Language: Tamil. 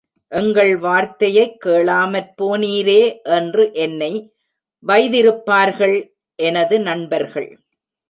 எங்கள் வார்த்தையைக் கேளாமற் போனீரே என்று என்னை வைதிருப்பார்கள் எனது நண்பர்கள்.